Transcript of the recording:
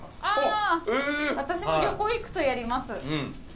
私も旅行行くとやります。